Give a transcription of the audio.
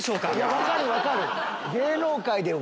分かる分かる！